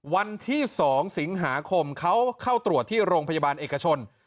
วันที่๒สิงหาคมเขาเข้าตรวจที่โรงพยาบาลเอกชน